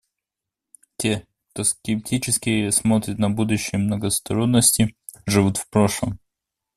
Те, кто скептически смотрит на будущее многосторонности, живут в прошлом.